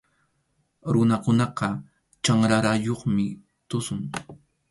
Runakunaqa chanrarayuqmi tusun.